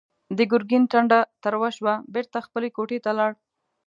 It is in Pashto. د ګرګين ټنډه تروه شوه، بېرته خپلې کوټې ته لاړ.